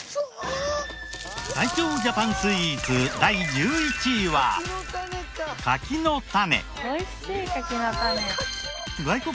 最強ジャパンスイーツ第１１位は柿の種。